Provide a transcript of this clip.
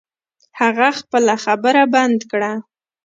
هغه خپله خبره بند کړه.